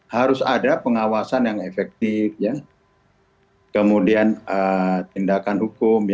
harus ada pengawasan yang efektif kemudian tindakan hukum